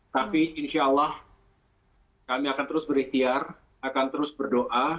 tapi insya allah kami akan terus berikhtiar akan terus berdoa